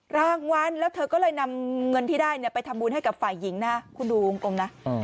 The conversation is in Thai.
รางวัลแล้วเธอก็เลยนำเงินที่ได้ไปทำบุญให้กับฝ่ายหญิงนะคุณดูวงกลมนะ